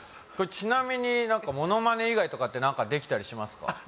これちなみにモノマネ以外とか何かできたりしますか？